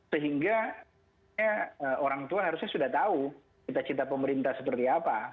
sehingga orang tua harusnya sudah tahu cita cita pemerintah seperti apa